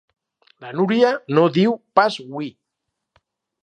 La Núria no diu pas ui.